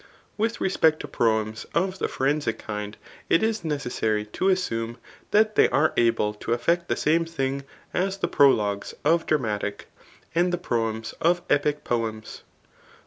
With respect to proems of the forensic kind, it is ne cessary to assume, that they are able to effect the same thing as the prologues of dramatic, and the proems of epic poems.